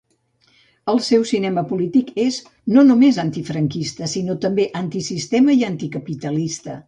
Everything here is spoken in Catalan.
El seu cinema polític és, no només antifranquista, sinó també antisistema i anticapitalista.